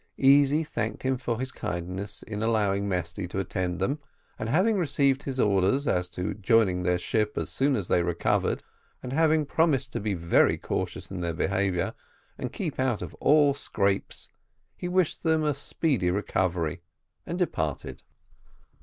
Easy thanked him for his kindness in allowing Mesty to attend them, and having received his orders as to their joining the ship as soon as they recovered, and having promised to be very cautious in their behaviour and keep out of all scrapes, he wished them a speedy recovery, and departed.